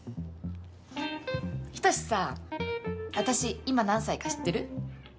仁さ、私、今何歳か知ってる？